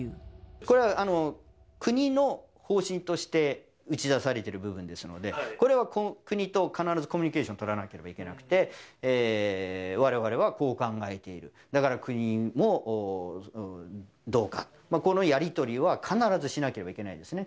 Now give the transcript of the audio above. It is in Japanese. これは国の方針として打ち出されている部分ですので、これは国と必ずコミュニケーション取らなければいけなくて、われわれはこう考えている、だから国もどうか、このやり取りは必ずしなければいけないですね。